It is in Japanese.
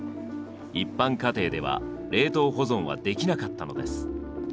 一般家庭では冷凍保存はできなかったのです。